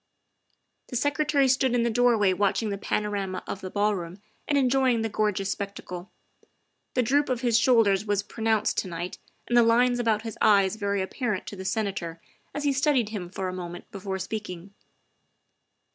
The Secretary stood in the doorway watching the panorama of the ballroom and enjoying the gorgeous spectacle; the droop of his shoulders was pronounced to night and the lines about his eyes very apparent to the Senator as he studied him for a moment before speaking.